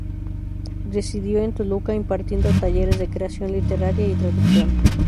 Residió en Toluca impartiendo talleres de creación literaria y de traducción.